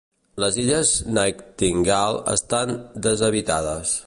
Les illes Nightingale estan deshabitades.